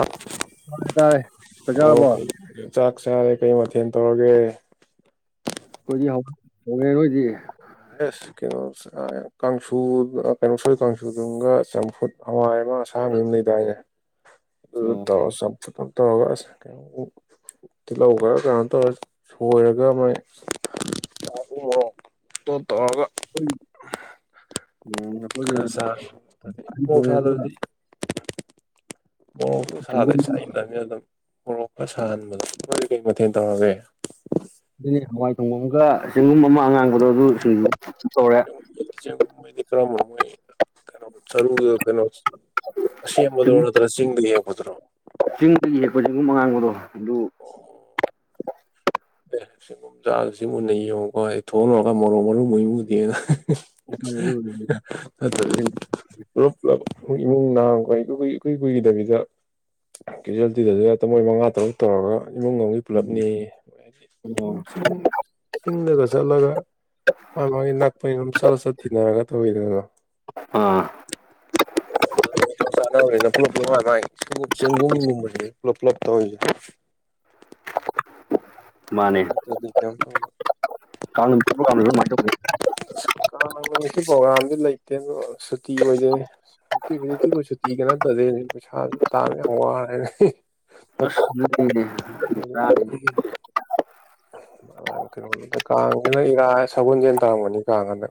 ꯥꯛ ꯍꯥꯏꯇꯥꯔꯦ ꯆꯥꯛ ꯆꯥꯔꯕꯣ ꯑꯣ ꯆꯥꯛ ꯆꯥꯔꯦ ꯀꯩ ꯃꯊꯦꯜ ꯇꯧꯔꯒꯦ ꯑꯩꯈꯣꯏꯗꯤ ꯍꯧ ꯍꯧꯉꯦ ꯅꯣꯏꯗꯤ ꯑꯦꯁ ꯀꯩꯅꯣ ꯀꯥꯡ ꯀꯩꯅꯣ ꯁ ꯀꯥꯡꯁꯨꯗꯨꯒ ꯆꯝꯐꯨꯠ ꯍꯋꯥꯏ ꯁꯥꯡ ꯂꯩ ꯇꯌꯦ ꯑꯗꯨ ꯑꯣ ꯇꯧꯔ ꯆꯞ ꯆ ꯇꯧꯔꯒ ꯑꯁ ꯀꯩꯅ ꯇꯤꯜꯍꯧꯕ ꯀꯩꯅꯣ ꯇꯧꯔ ꯁꯣꯏꯔꯒ ꯃꯣꯏ ꯎ ꯇꯣ ꯇꯒ ꯑꯩꯈꯣꯏ ꯎꯝ ꯑꯩꯈꯣꯏꯒꯤꯅ ꯈꯔ ꯆꯥꯏ ꯑꯍꯟ ꯃꯣꯔꯣꯛ ꯊꯣꯡꯉꯦ ꯑꯗꯨꯒ ꯁꯗꯔꯗꯤ ꯃꯣꯔꯣꯛꯇꯨ ꯁꯥꯗ ꯆꯦꯡꯒꯨꯝ ꯆ ꯏ ꯅꯅꯤ ꯑꯗꯨꯝ ꯃꯣꯔꯣꯛꯇ ꯁꯥꯍꯟꯕꯗ ꯂꯣꯏ ꯀꯩ ꯃꯊꯦꯜ ꯇꯧꯔꯒꯦ ꯑꯗꯨ ꯍꯋꯥꯏ ꯊꯣꯡꯐꯝꯒ ꯆꯤꯡꯒꯨꯝ ꯑꯃ ꯑꯉꯥꯡꯕꯗꯣ ꯑꯗꯨ ꯇꯧꯔꯦ ꯗꯤ ꯀ꯭ꯔ ꯀꯩꯅꯣ ꯊꯔꯨ ꯀꯩꯅꯣ ꯁꯦꯝꯕꯗꯣ ꯆꯤꯡ ꯅꯠꯇ꯭ꯔꯒ ꯆꯤꯡꯗ ꯌꯦꯡꯕꯗ꯭ꯔꯣ ꯆꯤꯡꯗꯒꯤ ꯌꯦꯛꯄꯁꯤꯒꯨꯝ ꯑꯉꯥꯡꯕꯗꯣ ꯑꯗꯨ ꯑꯣ ꯑꯦ ꯁꯪꯒꯣꯝ ꯆꯥꯁꯤ ꯃꯨꯟꯅ ꯌꯦꯡꯉꯨꯀꯣ ꯑꯩ ꯊꯣꯛꯍꯂꯨꯔꯒ ꯃꯔꯣꯛ ꯃꯔꯨ ꯃꯣꯏꯃꯨꯗꯦꯅ ꯍꯣꯏ ꯑꯗꯨꯕꯨꯗꯤ [unintelligible] ꯄꯨꯞ ꯄꯨꯞ ꯏꯃꯨꯡ ꯅꯍꯈꯣꯏꯏ ꯏꯨꯏ ꯀꯨꯏꯈꯤꯗꯕꯤꯗ ꯀꯦꯖꯨꯋꯂꯤꯇꯤꯗꯨꯗꯤ ꯇ ꯃꯣꯏ ꯃꯉꯥ ꯇꯔꯨꯛ ꯇꯧꯔꯒ ꯏꯃꯨꯡ ꯃꯅꯨꯡ ꯃꯂꯕꯅꯤ ꯑꯣ ꯆꯤꯡꯗꯗ ꯆꯠꯂꯒ ꯃꯥ ꯃꯥꯒꯤ ꯅꯥꯄ ꯑꯗꯨꯝ ꯁꯠꯂ ꯆꯠ ꯊꯤꯟꯅꯔꯒ ꯇꯧꯋꯤꯗꯅꯣ ꯑꯥ ꯄꯨꯂꯞ ꯆꯒꯦ ꯄꯨꯞ꯭ꯂꯞ ꯃꯥꯅꯦ ꯑꯗꯨꯗꯤ ꯀꯩꯝ ꯇꯧ ꯑꯇ ꯍ ꯇ ꯀ ꯅꯨꯃꯤꯠꯀꯤ ꯄ꯭ꯔꯣꯒ꯭ꯔꯥꯝꯗꯤ ꯂꯩꯇꯦ ꯑꯗꯣ ꯁꯨꯇꯤ ꯑꯣꯏꯗꯣꯏꯅꯤ ꯅꯨꯡꯇꯤ ꯍꯧꯖꯤꯛꯇꯤꯕꯨ ꯁꯨꯇꯤ ꯀ ꯅꯠꯇꯗꯦꯅꯦ ꯄꯩꯁꯥꯁꯨ ꯇꯥꯡꯅꯦ ꯌꯥꯝ ꯋꯥꯔꯦꯅꯦ [unintelligible] ꯀꯩꯅꯣꯗ ꯀꯥꯡꯁꯤꯅ ꯏꯔꯥ ꯁꯒꯣꯜꯁꯦꯟ ꯇꯥꯔꯝꯒꯅꯤ ꯀꯥꯡ ꯑꯅ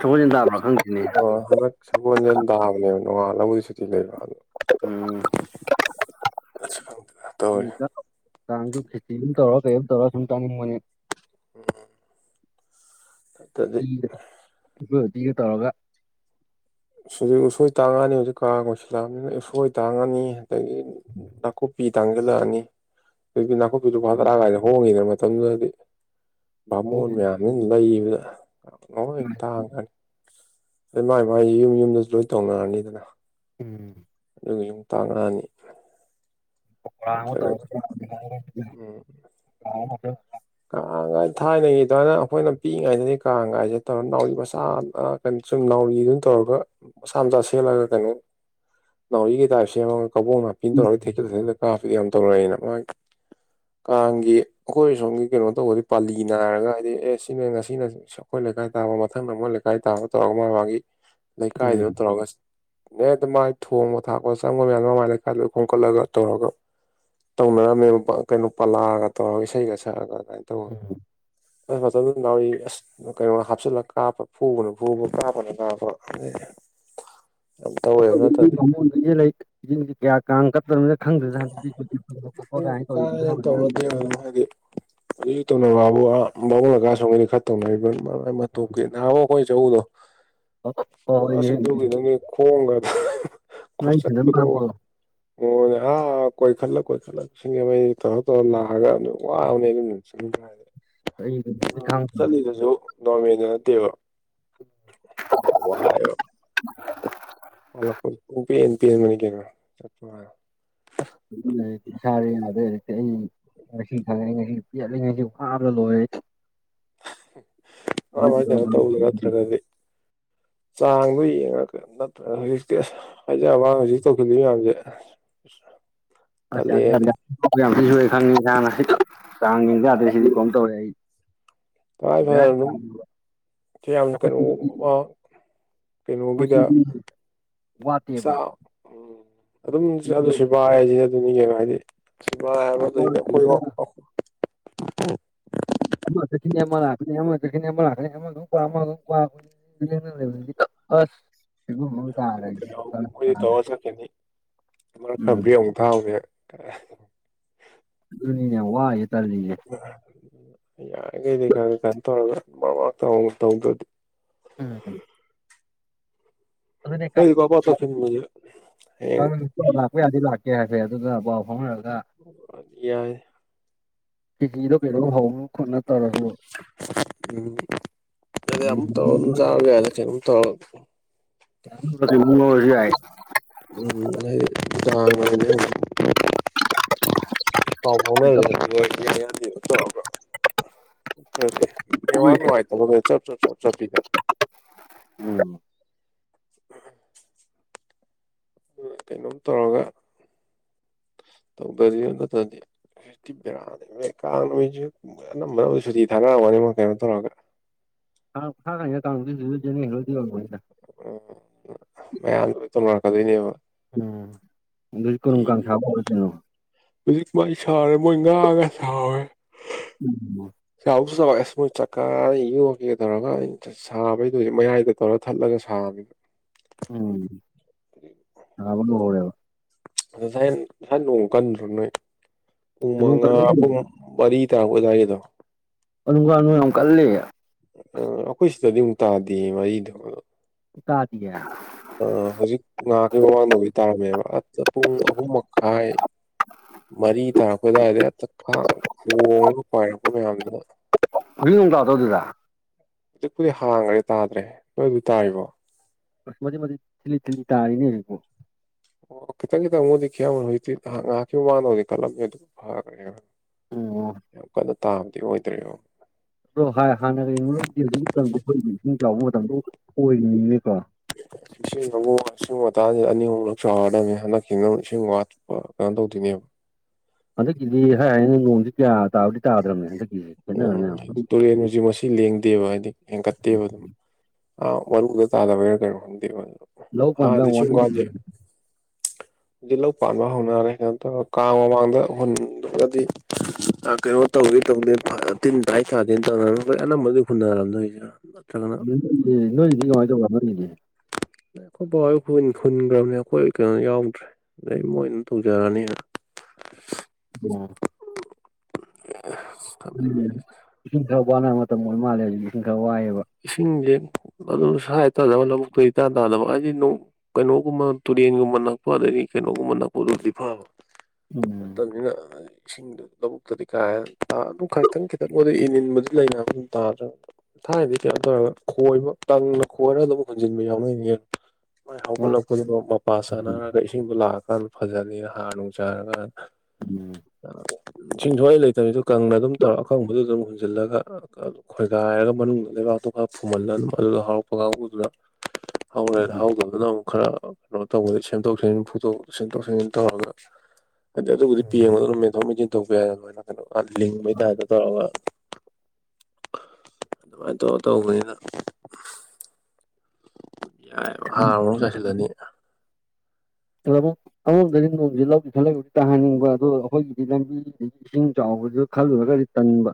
ꯇꯧꯒꯦ ꯊꯕꯛ ꯆꯤꯟ ꯇꯥꯕ꯭ꯔꯥ ꯈꯪꯗꯦꯅꯦ ꯑꯣ ꯍꯟꯗꯛ ꯁꯒꯣꯜꯁꯦꯜ ꯇꯥꯕꯅꯦꯕ ꯅꯣꯡꯉꯥꯜꯂꯧꯕꯏ ꯁꯨꯇꯤ ꯂꯩꯕ꯭ꯔ ꯑꯗꯣ ꯑꯁ ꯈꯪꯗꯦꯗ ꯇꯧꯔꯤꯁꯦ ꯎꯝ ꯆꯥꯡꯁꯨ ꯈꯦꯇꯤ ꯑꯃ ꯇꯧꯔ ꯀꯔꯤꯝ ꯇꯧꯔꯒ ꯁꯨꯝ ꯇꯥꯅꯤꯡꯕꯅꯦ ꯎꯝ ꯏ ꯏꯤꯒ ꯇꯧꯔꯒ ꯍꯧꯖꯤꯛ ꯎꯁꯣꯏ ꯇꯥꯡꯉꯅꯤ ꯍꯧꯖꯤꯛ ꯀꯥꯒꯣꯏꯁꯤꯜꯂꯛꯑꯕꯅꯤꯅ ꯎꯁꯣꯏ ꯇꯥꯡꯉꯅꯤ ꯑꯗꯒꯤ ꯅꯥꯀꯨꯞꯄꯤ ꯇꯪꯁꯤꯜꯂꯛꯑꯅꯤ ꯑꯗꯨꯗꯤ ꯅꯥꯀꯨꯞꯄꯤꯗꯨ ꯐꯗꯔꯛꯑ ꯀꯥꯏꯗ ꯍꯣꯡꯉꯤꯗꯅ ꯃꯇꯝꯗꯨꯗꯗꯤ ꯕꯥꯃꯣꯟ ꯃꯌꯥꯝꯗꯨ ꯂꯩꯕꯗ ꯂꯣꯏ ꯇꯥꯡꯈꯅꯤ ꯑꯩ ꯃꯥꯏ ꯃꯥꯥꯏ ꯌꯨꯝ ꯌꯨꯝꯗꯁꯨ ꯂꯣꯏ ꯇꯧꯅꯔꯅꯤꯗꯅ ꯎꯝ ꯑꯗꯨꯒ ꯌꯨꯝꯇꯥꯉꯥꯑꯅꯤ [unintelligible] ꯀꯥꯡꯥꯡꯒꯥꯏ ꯊꯥꯏꯅꯒꯤ ꯑꯗꯨꯃꯥꯏꯅ ꯑꯩꯈꯣꯏꯅ ꯄꯤꯛꯏꯉꯩꯗꯗꯤ ꯀꯥꯡꯥꯡꯒꯥꯏꯁꯦ ꯇꯧꯔ ꯅꯥꯎꯏ ꯃꯆꯥ ꯅꯣ ꯁꯨꯝ ꯅꯥꯎꯔꯤꯗꯨꯝ ꯇꯧꯔꯒ ꯃꯆꯥ ꯃꯆꯥ ꯁꯦꯠꯂꯒ ꯀꯩꯅꯣ ꯅꯥꯎꯔꯤꯒꯤ ꯇꯥꯏꯞ ꯁꯦꯝꯃꯒ ꯀꯕꯣꯛꯅ ꯐꯟ ꯇꯧꯔꯗꯤ ꯊꯩꯀꯦꯜ ꯊꯩꯁꯤꯜꯗ ꯀꯥꯞꯕꯗꯤ ꯌꯥꯝ ꯇꯧꯔꯛꯑꯏꯅ ꯃꯥꯒꯤ ꯀꯥꯡꯒꯤ ꯑꯩꯈꯣꯏ ꯁꯣꯝꯒꯤ ꯀꯩꯅꯣ ꯇꯧꯕꯗꯤ ꯄꯥꯜꯂꯤ ꯅꯥꯏꯔꯒ ꯍꯥꯏꯗꯤ ꯑꯦ ꯁꯤꯅꯦ ꯉꯁꯤꯅ ꯑꯩꯈꯣꯏ ꯂꯩꯀꯥꯏ ꯇꯥꯕ ꯃꯊꯪꯗ ꯃꯣꯏ ꯂꯩꯀꯥꯏ ꯇꯥꯕ ꯇꯧꯔꯒ ꯃꯥ ꯃꯥꯒꯤ ꯎꯝ ꯂꯩꯀꯥꯏꯗꯨꯅ ꯇꯧꯔꯒ ꯑꯦ ꯑꯗꯨ ꯃꯥꯏ ꯊꯣꯡꯕ ꯊꯥꯛꯄ ꯆꯪꯕ ꯃꯌꯥꯝꯗꯣ ꯃꯃꯥꯏ ꯂꯩꯀꯥꯏꯗ ꯈꯣꯝꯀꯠꯂꯒ ꯇꯧꯔꯒ ꯇꯧꯅꯔꯝꯃꯦꯕ ꯀꯩꯅꯣ ꯄꯥꯂꯥꯒ ꯇꯧꯔꯒ ꯏꯁꯩꯒ ꯁꯛꯑꯒ ꯀꯃꯥꯏꯅ ꯇꯧꯔꯒ ꯎꯝ ꯑ ꯐ ꯂꯎ ꯑꯁ ꯀꯩꯅꯣ ꯍꯥꯞꯆꯤꯜꯂꯒ ꯀꯥꯞ ꯐꯨꯕꯅ ꯐꯨꯕ ꯀꯥꯞꯕꯅ ꯀꯥꯕ ꯏ ꯀꯌꯥ ꯀꯅ ꯈꯪꯗꯅ ꯍꯟꯛꯇꯤ ꯆꯤ ꯈꯣꯠꯄ ꯑꯗꯨꯝ ꯀꯥꯏꯅ ꯇꯧ ꯇꯧꯅꯗꯦ ꯍꯥꯏꯗꯤ ꯍꯧ ꯇꯧꯅꯔꯤꯕꯕ ꯕꯨꯡ ꯀ ꯁꯣꯒꯗꯤ ꯈꯔ ꯇꯧꯅꯔꯤꯕꯞꯀ ꯅꯍ ꯑꯩꯈꯣꯏ ꯆꯧꯗꯣ ꯑꯗꯨ ꯍꯣꯏꯅꯦ ꯑꯁ ꯌꯗ ꯈꯣꯡꯒꯗ ꯅꯪ ꯊꯤꯟꯅꯕ ꯆꯠꯄꯗꯧꯕ ꯃꯥꯟꯕ꯭ꯔꯣ ꯑ ꯀꯣꯏ ꯐꯜꯂ ꯀꯣꯏ ꯐꯜꯂ ꯂꯧꯁꯤꯡ ꯑꯩ ꯇꯧꯔ ꯇꯧꯔ ꯂꯥꯛꯑꯒ ꯑꯗꯨꯝ ꯋꯥꯕꯅꯦ ꯑꯩ ꯑꯗꯨꯝ ꯅꯨꯡꯁꯤ ꯍꯥꯏꯦ ꯑꯩ ꯈꯪꯗꯕꯅꯤ ꯆꯠꯂꯤꯗꯨꯁꯨ ꯒꯣꯔꯃꯦꯟꯗ ꯅꯠꯇꯦꯕ ꯋꯥꯍꯥꯏꯣ ꯑꯜꯄꯤ ꯌꯦꯟ ꯄꯤ ꯃꯅꯤꯒꯦꯅ ꯆ ꯁꯔꯦ ꯌꯥꯔꯦ [unintelligible] ꯉꯁꯤ ꯊ ꯉꯁꯤ ꯄꯤ ꯉꯁꯤ ꯋꯥꯕ ꯂ ꯂꯣ [unintelligible] ꯃꯥꯏ ꯃꯥꯏ ꯀꯩꯅꯣ ꯇꯧꯕꯥ ꯅꯇꯔ꯭ꯒ ꯗꯤ ꯆꯥꯡꯗꯨꯣ ꯌꯦꯡꯉꯒꯥ ꯅꯠꯇ꯭ꯔ ꯍꯧꯖꯤꯛꯇꯤ ꯑꯁ ꯍꯥꯏꯖꯕꯩ ꯋꯥꯅꯤ ꯍꯧꯖꯤꯛ ꯇꯧꯁꯤꯟꯂꯤ ꯃꯌꯥꯝꯁꯦ ꯑꯁ ꯌꯥꯗꯔ꯭ꯦ ꯇꯜꯂꯛꯑꯦꯅꯦ ꯌꯥꯗꯔ꯭ꯦ ꯌꯥꯝ ꯊꯤꯅꯥ ꯁꯣꯛꯑꯦ ꯈꯪꯉꯤ ꯉꯥꯁꯤꯗꯤ ꯆꯥꯡ ꯌꯦꯡꯕ ꯌꯥꯗ꯭ꯔꯦ ꯁꯤꯗꯤ ꯀꯅꯣꯝ ꯇꯧꯔꯦ ꯑꯩ ꯇꯉꯥꯏ ꯕꯦꯔꯥ ꯐꯗꯅ ꯌꯥꯝ ꯑꯗꯨꯝ ꯀꯥꯏꯌꯦꯕ ꯌꯥꯝ ꯑꯩꯈꯣꯏ ꯀꯩꯅꯣ ꯀꯩꯅꯣꯒꯤꯗ ꯆꯤꯡꯗꯤ ꯋꯥꯠꯇꯦꯕ ꯆꯥꯛ ꯎꯝ ꯑꯗꯨꯝ ꯑꯗꯨ ꯃꯤꯗꯣ ꯋꯥ ꯍꯥꯏꯁꯤ ꯑꯗꯨꯅꯤ ꯀꯩꯅꯣ ꯍꯥꯏꯗꯤ ꯁꯤꯕꯥ ꯍꯥꯏꯕ ꯂꯩꯗ ꯋꯥꯠꯇꯕꯅꯤꯅ ꯑꯩꯈꯣꯏꯕꯥꯎ ꯑꯈꯣꯏ ꯑꯃ ꯆꯠꯈꯤꯅꯤ ꯑꯃ ꯂꯥꯀꯅꯤ ꯑꯃ ꯆꯠꯈꯤꯅꯤ ꯂꯥꯀꯅꯤ ꯑꯃꯗꯥ ꯑꯃꯨꯛ ꯄꯥꯝ ꯑꯃꯗ ꯑꯃꯨꯛ ꯄꯥꯝ ꯂꯦꯡꯗꯅ ꯂꯩꯕꯁꯤꯗꯤ ꯑꯁ ꯐꯤꯕꯝ ꯑꯃꯥ ꯇꯥꯗꯔꯦ ꯑꯩꯗꯤ ꯐꯔꯛ ꯑꯩꯈꯣꯏꯗꯤ ꯇꯥꯔꯦ ꯇꯧꯔ ꯃꯔꯛ ꯈꯔꯥ ꯎꯝ ꯕꯔ꯭ꯦꯛ ꯑꯃꯨꯛ ꯊꯔꯨꯔꯦ ꯈꯔꯥ ꯑꯗꯨꯅꯤꯅꯦ ꯋꯥꯔꯤꯁꯦ ꯇꯥꯜꯂꯤꯅꯦ ꯌꯥꯔꯤꯈꯩꯗꯤ ꯈꯔꯒ ꯀꯩꯅ ꯇꯧꯔꯒ ꯃꯃꯔꯛꯇ ꯑꯃ ꯇꯧꯗ꯭ꯔꯗꯤ ꯎꯝ ꯑꯗꯨꯅꯦ ꯑꯈꯣꯏꯗꯤ ꯐꯠ ꯐꯠ ꯇꯧꯁꯤꯟꯅꯤꯡꯕꯅꯤꯅꯥ ꯍꯌꯦꯡ ꯂꯥꯛꯄ ꯌꯥꯗꯤ ꯂꯥꯛꯀꯦ ꯍꯥꯏꯐꯦꯠ ꯑꯗꯨꯒ ꯄꯥꯎ ꯐꯥꯎꯅꯔꯒ ꯌꯥꯏ ꯈꯦꯆꯔꯤ ꯗꯣ ꯀꯩꯅꯣꯝ ꯍꯧꯕꯔꯥ ꯈꯣꯠꯅ ꯇꯧꯔꯁꯨ ꯎꯝ ꯑꯃꯥ ꯇꯧꯔꯒꯥ ꯑꯗꯨꯝ ꯆꯥꯕꯥ ꯌꯥꯏꯗ ꯀꯩꯅꯣꯝ ꯇꯧꯔꯒꯥ ꯃꯅꯁꯨ ꯌꯥꯏ [unintelligible] ꯎ ꯇꯥ [unintelligible] [unintelligible] [inaudible] ꯄꯥꯎ ꯐꯥꯎꯅꯔꯁꯦ ꯇꯧꯔꯒꯥ ꯅꯠꯇꯔꯗꯤ ꯅꯦꯠꯋꯥꯛ ꯅꯨꯉꯥꯏꯇꯦ ꯑꯗ ꯚꯥꯏ ꯆꯞ ꯆꯞ ꯆꯞ ꯆꯞꯄꯤꯗꯥ ꯎꯝ ꯀꯩꯅꯣꯝ ꯇꯧꯔꯒ ꯇꯧꯗꯥꯗꯤ ꯅꯠꯇꯗꯤ ꯊꯤ ꯕꯦꯔꯥꯅꯤ ꯀꯥꯡ ꯅꯨꯃꯤꯠꯁꯨ ꯃꯣꯏ ꯑꯅꯝꯕꯅ ꯁꯨꯇꯤ ꯊꯥꯅꯔꯝꯒꯅꯤ ꯃꯣꯏ ꯀꯩꯅꯣ ꯇꯧꯔꯒ ꯇꯥꯒꯅꯤꯗ ꯀꯥꯡ ꯅꯨꯃꯤꯠ ꯇꯤ ꯖꯦꯅꯦꯔꯜ ꯍꯣꯂꯤꯗꯦ ꯑꯣꯏꯔꯝꯒꯅꯤꯗ ꯑꯣ ꯃꯌꯥꯝ ꯂꯣꯏ ꯇꯧꯅꯔꯛꯀꯗꯣꯏꯅꯦꯕ ꯎꯝ ꯑꯗꯨꯗꯤ ꯁꯨꯇꯤ ꯀꯔꯝ ꯀꯥꯟꯗ ꯁꯥꯕ ꯍꯧꯔꯧꯗꯣꯏꯅꯣ ꯍꯧꯖꯤꯛ ꯃꯥꯏ ꯁꯥꯔꯦ ꯃꯣꯏ ꯉꯥ ꯒꯥ ꯁꯥꯎꯔꯦ ꯎꯝ ꯆꯥꯎꯁꯨ ꯆꯥꯎꯑꯦ ꯃꯣꯏ ꯆꯥꯛꯀꯗꯥ ꯌꯣꯝꯕꯤꯒ ꯇꯧꯔꯒ ꯁꯥꯕꯩꯗꯣ ꯍꯧꯖꯤꯛ ꯃꯌꯥꯏꯗ ꯇꯧꯔ ꯊꯠꯂꯒ ꯁꯥꯕꯅꯤꯕꯥ ꯎꯝ ꯁꯥꯕ ꯍꯧꯍꯧꯔꯦꯕꯥ ꯑ ꯉꯁꯥꯏ ꯉꯁꯥꯏ ꯅꯣꯡ ꯀꯟꯗ꯭ꯔꯣ ꯅꯣꯏ ꯄꯨꯡ ꯅꯣꯡ ꯃꯉꯥ ꯀꯜꯂꯦ ꯄꯨꯡ ꯃꯔꯤ ꯇꯔꯛꯄꯥ ꯑꯗꯥꯏꯒꯤꯗꯣ ꯑꯗꯨꯝꯀꯥꯟꯗꯣ ꯌꯥꯝ ꯀꯜꯂꯦ ꯑꯩꯈꯣꯏ ꯁꯤꯗꯗꯤ ꯑꯃꯨꯛ ꯇꯥꯗꯦ ꯃꯔꯤꯗꯣ ꯇꯥꯗꯤꯌꯦ ꯑ ꯍꯧꯖꯤꯛ ꯉꯥꯏꯍꯥꯥꯛꯀꯤ ꯃꯃꯥꯡꯗꯕꯨꯗꯤ ꯇꯥꯔꯝꯃꯦꯕ ꯄꯨꯡ ꯑꯍꯨꯝ ꯃꯈꯥꯏ ꯃꯔꯤ ꯇꯥꯔꯛꯄ ꯑꯗꯨꯋꯥꯏꯗꯥ ꯍꯦꯛꯇꯥ ꯈꯣꯡꯉꯒ ꯄꯥꯏꯔꯛꯄ ꯃꯌꯥꯝꯗꯨꯅ ꯍꯧꯖꯤꯛ ꯅꯣꯡ ꯇꯥꯗꯔꯥ ꯑꯗꯨꯗꯥ ꯍꯧꯖꯤꯛꯄꯨꯗꯤꯍꯪꯒꯔ꯭ꯦ ꯇꯥꯗ꯭ꯔꯦ ꯅꯣꯏꯗꯨꯗꯥ ꯇꯥꯔꯤꯕꯣ ꯃꯆꯤꯠ꫰ꯃꯆꯤꯠ ꯊꯤꯜꯂꯤ ꯊꯤꯜꯂꯤ ꯇꯥꯔꯤꯅꯦ ꯍꯧꯖꯤꯛꯄꯣ ꯑꯣ ꯈꯤꯇꯪ ꯈꯤꯇꯪꯕꯨꯗꯤ ꯈꯤꯀꯝꯒꯅꯤ ꯍꯧꯖꯤꯛꯇꯤ ꯉꯍꯥꯛ ꯉꯥꯏꯍꯥꯛꯀꯤ ꯃꯃꯥꯡꯗꯕꯨꯗ ꯀꯂꯝꯃꯤ ꯑꯗꯨ ꯐꯒꯥꯔꯦꯕꯥ ꯑꯣ ꯌꯥꯝ ꯀꯟꯅ ꯇꯥꯕꯗꯤ ꯑꯣꯏꯗ꯭ꯔꯦꯕꯥ ꯑꯗꯣ ꯍꯥꯟꯅꯒꯥ ꯌꯦꯡꯎꯔꯒꯗꯤ ꯍꯧꯖꯤꯛꯀꯤ ꯃꯇꯝꯗꯤ ꯑꯩꯈꯣꯏꯒꯤ ꯏꯁꯤꯡ ꯆꯥꯎꯕ ꯃꯇꯝꯗꯣ ꯑꯣꯏꯔꯤꯅꯤꯅꯦꯀꯣ ꯏꯁꯤꯡ ꯑꯃꯨꯛ ꯑꯁꯤꯒꯤ ꯃꯇꯥꯡ ꯁꯤꯗꯥ ꯑꯅꯤ ꯑꯍꯨꯝꯂꯛ ꯆꯥꯎꯔꯝꯃꯤ ꯍꯟꯗꯛꯀꯤ ꯅ ꯏꯁꯤꯡ ꯋꯥꯠ ꯑꯣ ꯑꯥꯟ ꯇꯧꯗꯣꯏꯅꯦꯕ ꯍꯟꯗꯛꯀꯤꯗꯤ ꯍꯥꯏ ꯍꯥꯏꯅꯤ ꯅꯣꯡꯁꯦ ꯀꯌꯥ ꯇꯥꯕꯨꯗꯤ ꯇꯥꯗ꯭ꯔꯕꯅꯦ ꯍꯟꯗꯛꯀꯤꯁꯤ ꯎꯝ ꯍꯥꯏꯗꯤ ꯇꯨꯔꯦꯟꯒꯁꯤ ꯃꯁꯤ ꯂꯦꯡꯗꯦꯕ ꯍꯥꯏꯗꯤ ꯍꯦꯟꯀꯠꯇꯦꯕ ꯑꯗꯨꯝ [unintelligible] ꯍꯥꯟꯅꯗꯤ ꯏꯁꯤꯡ ꯋꯥꯠꯂꯤ [unintelligible] ꯍꯧꯖꯤꯛ ꯄꯥꯟꯕ ꯍꯧꯅꯔꯦ ꯀꯩꯅ ꯇꯧꯔ ꯀꯥꯡ ꯃꯃꯥꯡꯗ ꯍꯨꯟꯗꯔ꯭ꯒꯗꯤ ꯀꯩꯅꯣ ꯇꯧꯒꯦ ꯇꯧꯅꯦ ꯇꯤꯟ ꯇꯥꯏ ꯇꯥꯗꯦ ꯑꯅꯝꯕꯗꯤ ꯈꯨꯨꯟꯔꯝꯗꯣꯏꯁꯤ [unintelligible] ꯑꯩꯈꯣꯏ ꯕꯥꯍꯣꯏ ꯍꯨꯟꯈ꯭ꯔꯕꯅꯦ ꯑꯩꯈꯣꯏ ꯀꯩꯅꯣ ꯌꯥꯎꯗ꯭ꯔꯦ ꯑꯗꯩ ꯃꯣꯏ ꯑꯗꯨꯝ ꯇꯧꯖꯔꯅꯤꯅ [inaudible] [unintelligible] ꯎ ꯏꯁꯤꯡ ꯈꯔ ꯋꯥꯅꯕ ꯃꯇꯝ ꯑꯣꯏꯃꯥꯜꯂꯦ ꯑꯗꯨꯖꯤꯛꯁꯤ ꯏꯁꯤꯡ ꯈꯔ ꯋꯥꯏꯑꯦꯕ ꯏꯁꯤꯡꯁꯦ ꯑꯗꯨ ꯁꯋꯥꯥꯏ ꯇꯥꯗꯕ ꯂꯧꯕꯨꯛꯇ ꯏꯇꯥꯥꯟ ꯇꯥꯗꯕ ꯍꯥꯏꯗꯤ ꯅꯣꯡ ꯀꯩꯅꯣꯒꯨꯝꯕ ꯇꯨꯔꯦꯟꯒꯨꯝꯕ ꯅꯛꯄ ꯑꯗꯒꯤ ꯀꯩꯅꯣꯒꯨꯝꯕ ꯅꯛꯄꯗꯨꯗꯤ ꯐꯕ ꯎꯝ ꯃꯇꯝꯅꯤꯅ ꯏꯁꯤꯡꯗꯨ ꯂꯧꯕꯨꯛꯇꯗꯤ ꯀꯥꯏ ꯑꯗꯨ ꯈꯖꯤꯇꯪ ꯈꯤꯇꯪ ꯃꯣꯏꯗꯤ ꯏꯟ ꯏꯟꯕꯗꯤ ꯂꯩ ꯑꯗꯨꯝ ꯇꯥꯗ꯭ꯔꯕ ꯊꯥꯏꯅꯗꯤ ꯀꯩꯅꯣ ꯇꯧꯔꯒ ꯈꯣꯏꯕ ꯇꯪꯅ ꯈꯣꯏꯔꯒ ꯑꯗꯨꯝ ꯍꯨꯟꯖꯤꯟꯕ ꯌꯥꯎꯅꯩꯅꯦ ꯃꯣꯏ ꯋꯥ ꯍꯧꯒꯠꯂꯛꯄꯗꯨꯗ ꯃꯄꯥ ꯆꯥꯟꯅꯔꯒ ꯏꯁꯤꯡꯗꯣ ꯂꯥꯛꯑꯀꯥꯟꯗ ꯐꯖꯅꯤꯅ ꯍꯥꯔ ꯅꯨꯡ ꯆꯥꯏꯔꯒ ꯎꯝ ꯏ ꯁꯨꯛꯂꯩ ꯂꯩꯇꯕꯤꯗ ꯀꯪꯅ ꯑꯗꯨꯝ ꯇꯧꯔ ꯑꯀꯪꯕꯗꯨ ꯑꯗꯨꯝ ꯍꯨꯟꯖꯤꯜꯂꯒ ꯈꯣꯏꯒꯥꯏꯔꯒ ꯃꯅꯨꯡꯗ ꯂꯩꯕꯥꯛꯇꯣ ꯈꯔ ꯐꯨꯝꯍꯜꯂ ꯑꯗꯨꯝ ꯑꯗꯨꯗ ꯍꯥꯎꯔꯛꯄ ꯀꯥꯡꯒꯨꯗꯨꯅ ꯍꯥꯎꯔꯦ ꯍꯥꯎꯗꯗꯨꯅ ꯑꯃꯨꯛ ꯈꯔ ꯀꯩꯅꯣ ꯇꯧꯕꯗ ꯁꯦꯝꯗꯣꯛ ꯁꯦꯝꯖꯤꯟ ꯐꯨꯛꯇꯣꯛ ꯐꯨꯛꯆꯤꯟ ꯇꯧꯔꯒ ꯍꯥꯏꯗꯤ ꯑꯗꯨꯕꯨꯗꯤ ꯄꯦꯡꯕꯗ ꯑꯗꯨꯝ ꯃꯦꯟꯊꯣꯛ ꯃꯦꯟꯁꯤꯟ ꯊꯣꯛꯄ ꯌꯥꯏ ꯑꯗꯨꯃꯥꯏꯅ ꯀꯩꯅꯣ ꯂꯤꯡꯕꯩ ꯇꯥꯏꯗ ꯇꯧꯔꯒ ꯑꯗꯨꯃꯥꯏꯅ ꯇꯧꯔ ꯇꯧꯕꯅꯤꯅ ꯌꯥꯏꯑꯕ ꯍꯥꯔ ꯑꯃꯨꯛ ꯆꯥꯏꯁꯤꯜꯂꯅꯤ [inaudible] ꯏꯁꯤꯡ ꯆꯥꯎꯕꯁꯤꯗ ꯈꯜꯂꯨꯔꯒꯗꯤ ꯇꯟꯕ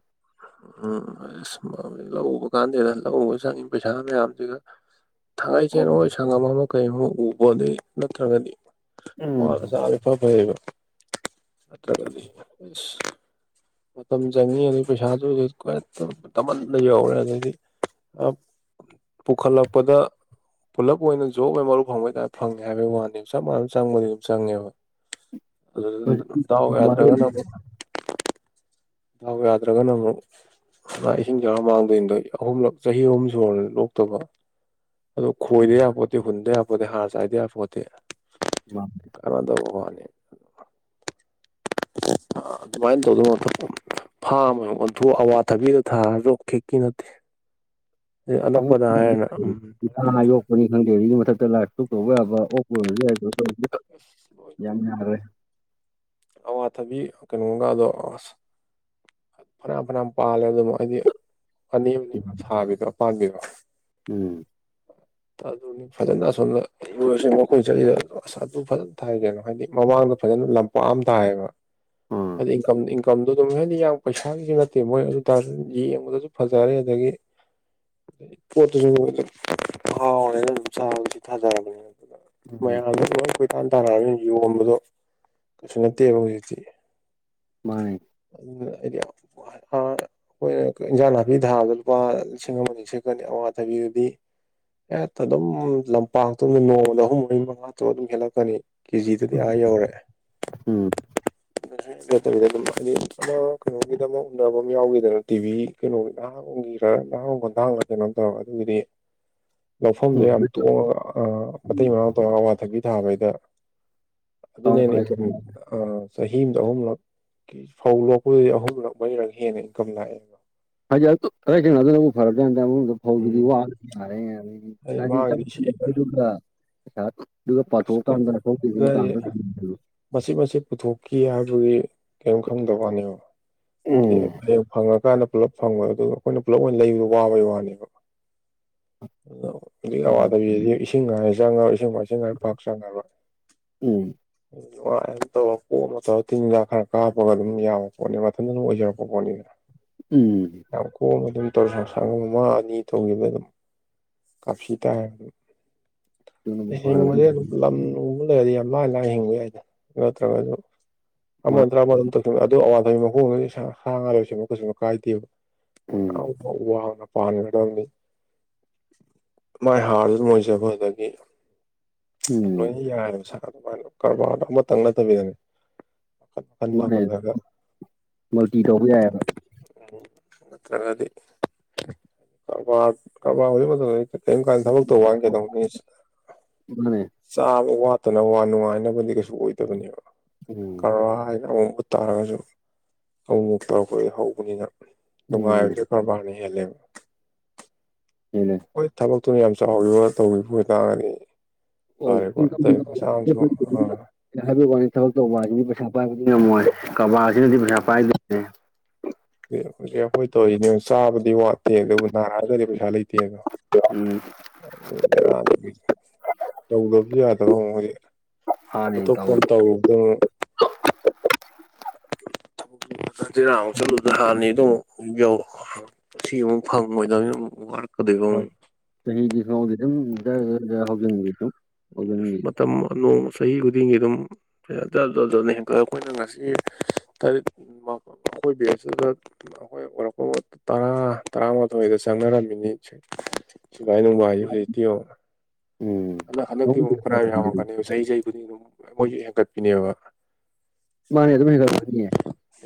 ꯎꯝ ꯂꯧ ꯎꯕ ꯀꯥꯟꯗꯦꯗ ꯂꯧ ꯎꯕ ꯆꯪꯉꯤ ꯄꯩꯁꯥ ꯃꯌꯥꯝꯁꯤꯒ ꯊꯥꯡꯒꯩ ꯁꯦꯡꯅ ꯁꯪꯒꯝ ꯑꯃ ꯀꯩ ꯑꯃ ꯎꯕꯗꯤ ꯅꯠꯇ꯭ꯔꯒꯗꯤ ꯎꯝ ꯋꯥꯔꯖꯠꯅꯤ ꯈꯔ ꯐꯌꯦꯕ ꯅꯠꯇ꯭ꯔꯒꯗꯤ ꯑꯁ ꯃꯇꯝ ꯆꯪꯉꯤ ꯑꯗꯨ ꯄꯩꯁꯥꯁꯨ ꯍꯧꯖꯤꯛ ꯗꯕꯟꯗ ꯌꯧꯔꯦ ꯑꯗꯨꯗꯩꯗꯤ ꯄꯨꯈꯠꯂꯛꯄꯗ ꯄꯨꯂꯞ ꯑꯣꯏꯅ ꯖꯣꯕ ꯑꯣꯏꯅ ꯃꯔꯨ ꯐꯪꯕꯩ ꯇꯥꯏꯞ ꯐꯪꯉꯦ ꯍꯥꯏꯕꯒꯤ ꯋꯥꯅꯤ ꯆꯞ ꯃꯥꯟꯅ ꯆꯪꯕꯗꯤ ꯑꯗꯨꯝ ꯆꯪꯉꯦꯕ ꯑꯗꯨ ꯗꯥꯎ ꯌꯥꯗ꯭ꯔꯒꯅ [inaudible] ꯑꯃꯨꯛ ꯗꯥꯎ ꯌꯥꯗ꯭ꯔꯒꯅ ꯑꯃꯨꯛ ꯏꯁꯤꯡ ꯆꯥꯎꯔ ꯃꯥꯡꯗꯣꯏꯅꯤꯗ ꯑꯍꯨꯝꯂꯛ ꯆꯍꯤ ꯑꯍꯨꯝ ꯁꯨꯔꯅꯤ ꯂꯣꯛꯇꯕ ꯑꯗꯨ ꯈꯣꯏꯗ ꯌꯥꯄꯣꯠꯇꯦ ꯍꯨꯟꯗ ꯌꯥꯄꯣꯠꯇꯦ ꯍꯥꯔ ꯆꯥꯏꯗ ꯌꯥꯄꯣꯠꯇꯦ ꯃꯥꯅꯤ ꯀꯅꯥꯗꯕ ꯋꯥꯅꯤ [unintelligible] ꯑꯗꯨꯃꯥꯏꯅ ꯇꯧꯗꯣ ꯃꯍꯨꯠꯇꯥ ꯐꯥꯔꯝ ꯑꯣꯏꯅ ꯑꯣꯟꯊꯣꯛꯑꯒ ꯑꯋꯥꯊꯕꯤ ꯑꯣꯏ ꯊꯥꯔꯗꯣꯔ ꯐꯤꯛꯀꯤ ꯅꯠꯇꯦ ꯑꯅꯛꯄꯗ ꯍꯥꯏꯔ ꯎꯝ ꯉꯥ ꯌꯣꯛꯄꯅꯤ ꯈꯪꯗꯦ ꯑꯗꯨꯒꯤ ꯃꯊꯛꯇ ꯂꯥꯏꯔꯤꯛ ꯇꯨꯛ ꯇꯧꯕ ꯌꯥꯕ ꯑꯣꯛꯄ ꯂꯣꯏꯔꯁꯨ ꯌꯥꯏꯗ ꯑꯁ ꯂꯣꯏ ꯇꯧꯕ ꯌꯥꯏꯗ ꯑꯋꯥꯊꯕꯤ ꯀꯩꯅꯣꯝꯒꯗꯣ ꯑꯁ ꯐꯅꯌꯥꯝ ꯐꯅꯌꯥꯝ ꯄꯥꯜꯂꯦ ꯑꯗꯨꯝ ꯑꯩꯗꯤ ꯑꯅꯤ ꯑꯅꯤꯃ ꯁꯥꯕꯤꯕꯣ ꯄꯥꯟꯕꯤꯕꯣ ꯎꯝ ꯑꯗꯨ ꯑꯗꯨꯅꯤ ꯐꯖꯅꯁꯣꯅ ꯏꯨꯔꯁꯨ ꯃꯈꯣꯏ ꯆꯠꯂꯤꯗ ꯑꯁ ꯑꯗꯨ ꯐꯖꯅ ꯊꯥꯏ ꯀꯩꯅꯣ ꯍꯥꯏꯗꯤ ꯃꯃꯥꯡꯗ ꯐꯖꯅ ꯂꯝꯄꯥꯛ ꯑꯃ ꯊꯥꯏꯌꯦꯕ ꯑ ꯏ ꯀꯝ [inaudible] ꯀꯝꯗꯨ ꯑꯗꯨꯝ ꯍꯥꯏꯗꯤ ꯌꯥꯝ ꯄꯩꯁꯥꯒꯤꯁꯨ ꯅꯠꯇꯦ ꯃꯣꯏ ꯑꯗꯨ ꯇꯥꯔꯁꯨ ꯌꯦꯡꯕꯗꯁꯨ ꯐꯖꯔꯦ ꯑꯗꯒꯤ ꯄꯠꯇꯁꯨ ꯑꯣꯏ ꯍꯥꯎꯔꯦꯅ ꯐꯖꯔꯕꯅꯤꯅ ꯆꯥꯕꯗꯁꯨ ꯎꯝ ꯃꯌꯝꯅ ꯇꯥꯟ ꯇꯥꯅꯒꯅ ꯌꯣꯟꯕꯗꯣ ꯀꯩꯁꯨ ꯅꯠꯇꯦꯕ ꯍꯧꯖꯤꯛꯇꯤ ꯃꯥꯅꯤ ꯑꯗꯨꯒꯤ ꯑꯩꯗꯤ ꯑꯩꯈꯣꯏꯅ ꯏꯟꯖꯥꯡ ꯅꯥꯄꯤ ꯊꯥꯕꯗ ꯂꯨꯄꯥ ꯂꯤꯁꯤꯡ ꯑꯃ ꯁꯦꯠꯀꯅꯤ ꯑꯋꯥ ꯊꯕꯤꯗꯨꯗꯤ ꯍꯠ ꯑꯗꯨꯝ ꯂꯝꯄꯥꯛꯇꯣ ꯅꯣꯡꯃꯗ ꯑꯍꯨꯝ ꯃꯔꯤ ꯃꯉꯥ ꯇ ꯑꯗꯨꯝ ꯍꯦꯜꯂꯛꯀꯅꯤ ꯀꯦꯖꯤꯗꯗꯤ ꯑꯥ ꯌꯧꯔꯦ ꯎꯝ ꯅꯠꯇꯕꯤꯗ ꯑꯗꯨꯝ ꯍꯥꯏꯗꯤ ꯑꯃ ꯀꯩꯅꯣꯒꯤꯗꯃꯛ ꯎꯅꯕ ꯑꯃ ꯌꯥꯎꯈꯤꯗꯅ ꯇꯤꯚꯤ ꯀꯩꯅꯣꯒꯤ ꯒꯤꯔ ꯂꯍꯥꯡ ꯈꯣꯟꯊꯥꯡꯒ ꯀꯩꯅꯣꯝ ꯇꯧꯔꯒ ꯑꯗꯨꯒꯤꯗꯤ ꯂꯧꯐꯝꯗꯣ ꯎꯝ ꯌꯥꯝ ꯇꯣꯡꯉꯒ ꯃꯇꯩ ꯃꯔꯥꯡ ꯇꯧꯔꯒ ꯑꯋꯥꯊꯛꯀꯤ ꯊꯥꯕꯩꯗ ꯑꯗꯨ ꯅꯅꯦ ꯍꯥꯏꯗꯤ ꯀ ꯆꯍꯤ ꯑꯃꯗ ꯑꯍꯨꯝꯂꯛꯀꯤ ꯐꯧ ꯂꯣꯛꯄꯗꯗꯤ ꯑꯍꯨꯝꯂꯛ ꯃꯔꯤꯔꯛ ꯍꯦꯟꯅ ꯏꯟꯀꯝ ꯂꯥꯛꯑꯦ ꯍꯖꯤ ꯔꯖꯅ ꯑꯗꯨꯅꯕꯨ ꯐꯔꯗ ꯐ ꯎꯝ ꯋꯥꯔ ꯑꯩ ꯉꯗꯤ ꯃꯥꯒꯤꯗꯤ ꯁꯤ ꯆꯦꯔꯗꯨꯒ ꯄꯩꯁꯥꯗꯨꯒ ꯑꯁ ꯄꯥꯊꯣꯛꯑꯀꯥꯟꯗꯣꯛꯟ ꯀ ꯃꯆꯠ ꯃꯆꯠ ꯄꯨꯊꯣꯛꯈꯤ ꯍꯥꯏꯕꯒꯤ ꯀꯔꯤꯝ ꯈꯪꯗꯕ ꯋꯥꯅꯦꯕ ꯍꯥꯏꯗꯤ ꯎꯝ ꯍꯌꯦꯡ ꯐꯪꯉꯀꯥꯟꯗ ꯄꯨꯂꯞ ꯐꯪꯕ ꯑꯗꯨꯒ ꯑꯩꯈꯣꯏꯅ ꯄꯨꯂꯞ ꯑꯣꯏꯅ ꯂꯩꯕꯗ ꯋꯥꯕꯩ ꯋꯥꯅꯦꯕ ꯑꯗꯨꯅ ꯈꯨꯗꯤꯛ ꯑꯋꯥꯗꯕꯤꯗꯤ ꯏꯁꯤꯡ ꯉꯥꯏ ꯆꯪꯉꯣꯏ ꯏꯁꯤꯡꯥꯏ ꯏꯁꯤꯡ ꯉꯥꯏ ꯐꯥꯛ ꯆꯪꯉꯔꯣꯏ ꯎꯝ ꯎ ꯑꯣ ꯑ ꯇꯧꯔ ꯄꯣꯅ ꯇꯧꯔ ꯇꯤꯟꯒ ꯈꯔ ꯀꯥꯞꯄꯒ ꯑꯗꯨꯝ ꯌꯥꯕ ꯄꯣꯠꯅꯤ ꯃꯊꯟꯗ ꯑꯗꯨꯝ ꯑꯣꯏꯖꯔꯛꯄ ꯄꯣꯠꯅꯤꯗꯅ ꯎꯝ ꯌꯥꯝ ꯀꯣꯝꯅ ꯑꯗꯨꯝ ꯇꯧꯔ ꯁꯪ ꯁꯪꯒꯝ ꯑꯃ ꯑꯅꯤ ꯇꯧꯈꯤꯕ ꯑꯗꯨꯝ ꯀꯥꯞꯁꯤ ꯇꯥꯏ ꯑꯗꯨꯅꯕꯨ ꯍꯤꯡꯕꯁ ꯐꯔꯕꯖꯥꯠꯅꯤ ꯑꯗꯨꯝ ꯂꯝ ꯎꯕ ꯂꯩꯔꯗꯤ ꯌꯥꯝ ꯂꯥꯏ ꯂꯥꯏꯅ ꯍꯤꯡꯕ ꯌꯥꯏꯗ ꯅꯠꯇ꯭ꯔꯒꯁꯨ ꯑꯃ ꯃꯥ ꯇꯔꯥꯃꯝ ꯇ ꯑꯗꯨ ꯑꯋꯥꯊꯕꯤ ꯃꯈꯣꯡ ꯁꯥ ꯉꯥ ꯂꯣꯏꯁꯤꯨ ꯀꯩꯁꯨ ꯀꯥꯏꯗꯦꯕ ꯎꯝ ꯋꯥꯅ ꯄꯥꯟꯒꯗꯕꯅꯤ ꯃꯥꯏ ꯍꯥꯔꯗꯨ ꯃꯣꯏꯁꯦ ꯑꯩꯈꯣꯏꯗꯒꯤ ꯎꯝ ꯂꯣꯏꯅ ꯌꯥꯔꯦꯕ ꯁꯥ ꯑꯗꯨꯃꯥꯏꯅ ꯀꯔꯕꯥꯔꯗꯣ ꯑꯃꯇꯪ ꯅꯠꯇꯕꯤꯗꯅꯦ ꯗ ꯃꯥꯅ ꯍꯦꯟꯅ ꯑꯣꯏꯂꯒ ꯃꯜꯇꯤ ꯇꯧꯕ ꯌꯥꯏꯑꯕ ꯗꯤ ꯀꯕꯥ ꯀꯕꯥ ꯀꯔꯤꯝ ꯀꯥꯟꯗ ꯊꯕꯛ ꯇꯧ ꯋꯥꯟꯒꯦꯗꯧꯕ ꯃꯤ ꯎꯃ ꯆꯥꯕ ꯋꯥꯠꯇꯅ ꯋꯥ ꯅꯨꯡꯉꯥꯏꯅꯕꯗꯤ ꯀꯩꯁꯨ ꯑꯣꯏꯗꯕꯅꯦꯕ ꯎꯝ ꯀꯔ ꯑꯣꯡꯕ ꯇꯥꯔꯒꯁꯨ ꯑꯃꯨꯛꯃꯨꯛ ꯇꯧꯔꯛꯄꯗ ꯍꯧꯕꯅꯤꯅ ꯎꯝ ꯅꯨꯡꯉꯥꯏꯕꯁꯦ ꯀꯔꯕꯥꯔꯅ ꯍꯦꯜꯂꯦꯕ ꯍꯅꯦ ꯍꯣꯏ ꯊꯕꯛꯇꯨꯅ ꯌꯥꯝ ꯆꯥꯎꯈꯤꯕ ꯇꯧꯈꯤꯕ ꯑꯣꯏ ꯇꯥꯡꯒꯅꯤ ꯍꯣꯏ ꯏꯟꯀ ꯑꯥ ꯍꯥꯏꯕꯤ ꯋꯥꯅꯤ ꯊꯕꯛ ꯇꯧꯕꯁꯤꯗꯤ ꯄꯩꯁꯥ ꯄꯥꯏꯕꯗꯤ ꯉꯝꯃꯣꯏ ꯀꯕꯥꯁꯤꯅꯗꯤ ꯄꯩꯁꯥ ꯄꯥꯏꯗꯣꯏꯅꯦ ꯍꯧꯖꯤꯛ ꯑꯩꯈꯣꯏ ꯇꯧꯔꯤꯅꯦ ꯆꯥꯕꯗꯤ ꯋꯥꯠꯇꯦ ꯑꯗꯨꯕꯨ ꯅꯥꯔꯛꯑꯒꯗꯤ ꯄꯩꯁꯥ ꯂꯩꯇꯦ ꯄꯌꯥꯒ ꯎꯝ ꯌꯥ ꯇꯧꯗꯕꯁꯨ ꯌꯥꯗꯕ ꯃꯗꯤ ꯃꯥꯅ ꯍꯦꯟꯅ ꯇꯧꯔꯤꯁꯦ ꯊꯄꯣꯇꯕ ꯗꯔꯥ ꯑꯃꯨꯛ ꯆꯠꯂꯨꯗ ꯍꯥꯟꯅꯤꯗ ꯑꯃꯨꯛ ꯌꯥꯎ ꯁꯤ ꯑꯃꯨ ꯐꯪꯕꯣꯏꯗ ꯋꯥꯔꯀꯗꯣꯏꯕ ꯆꯍꯤꯗꯤꯁꯥꯎ ꯂꯤꯇꯨꯝ ꯍꯥꯎꯖꯦꯟꯇꯨꯝ ꯃ ꯃꯇꯝꯝ ꯑꯅꯣ ꯁꯍꯤ ꯈꯨꯗꯤꯒꯤ ꯑꯗꯨꯝ ꯅꯤ ꯍꯦꯟꯛꯇꯛ ꯑꯩꯈꯣꯏꯅ ꯉꯁꯤ ꯇꯔꯦꯠ ꯑꯈꯣꯏ ꯕ ꯑꯗꯨꯗ ꯑꯩꯈꯣꯏꯔꯛꯄ ꯇꯔꯥ ꯇꯔꯥꯃꯥꯊꯣꯏꯗ ꯆꯪꯅꯔꯝꯃꯤꯅꯤ ꯁꯒꯥꯏ ꯅꯅꯨꯡꯕ ꯍꯥꯏ ꯍꯧꯖꯤꯛꯇꯤꯌꯣ ꯎꯝ ꯍꯗꯛ ꯍꯟꯗꯛꯇꯤ ꯈꯪꯍꯧꯗꯦ ꯑꯃꯨꯛ ꯈꯔ ꯃꯇꯝꯗꯤ ꯑꯗꯨꯝ ꯌꯥꯝꯃꯛꯛꯀꯅꯦꯕ ꯆꯍꯤ ꯆꯍꯤ ꯈꯨꯗꯤꯡ ꯑꯗꯨ ꯃꯣꯏꯁꯨ ꯍꯦꯟꯒꯠꯄꯤꯅꯦꯕ ꯃꯥꯅꯦꯗ ꯃꯒꯅꯤꯦ